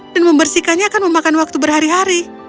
membersihkannya akan memakan waktu berhari hari